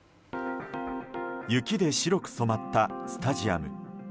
雪で白く染まったスタジアム。